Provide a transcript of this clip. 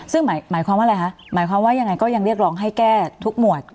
ซึ่งหมายความว่าอะไรคะหมายความว่ายังไงก็ยังเรียกร้องให้แก้ทุกหมวด